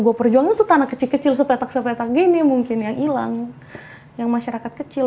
gue perjuangin tuh tanah kecil kecil sepetak sepetak gini mungkin yang hilang yang masyarakat kecil